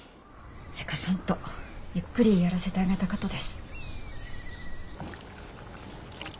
せかさんとゆっくりやらせてあげたかとです。